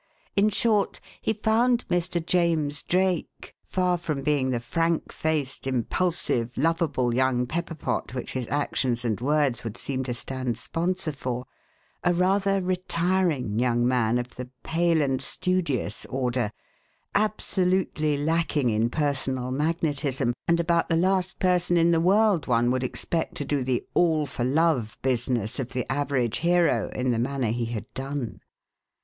In short, he found Mr. James Drake (far from being the frank faced, impulsive, lovable young pepper pot which his actions and words would seem to stand sponsor for) a rather retiring young man of the "pale and studious" order, absolutely lacking in personal magnetism, and about the last person in the world one would expect to do the "all for love" business of the average hero in the manner he had done.